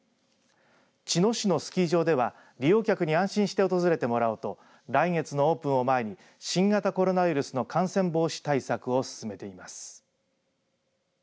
茅野市のスキー場では利用客に安心して訪れてもらおうと来月のオープンを前に新型コロナウイルスの感染防止対策を進めています。